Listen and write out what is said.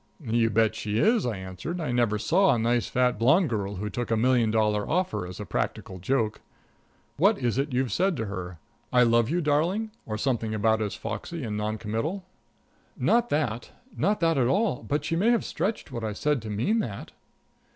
"You bet she is," I answered. "I never saw a nice, fat, blonde girl who took a million dollar offer as a practical joke. What is it you've said to her? 'I love you, darling,' or something about as foxy and noncommittal." "Not that not that at all; but she may have stretched what I said to mean that."